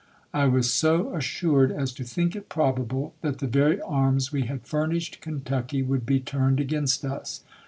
I was so assured as to think it probable that the very arms we had furnished Kentucky would be turned against us.